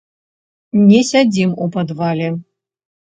Не сядзім у падвале.